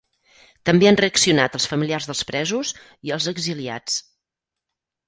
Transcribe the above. També han reaccionat els familiars dels presos i els exiliats.